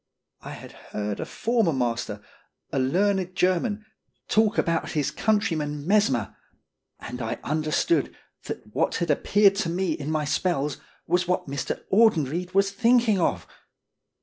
I had heard a former master, a learned German, talk about his countryman Mesmer, and I under stood that what had appeared to me in my spells was what Mr. Audenried was thinking of!